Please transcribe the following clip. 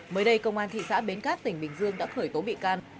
mới đây công an thị xã bến cát tỉnh bình dương đã khởi tố bị can